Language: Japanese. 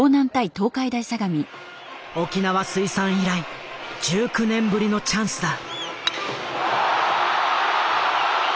沖縄水産以来１９年ぶりのチャンスだ。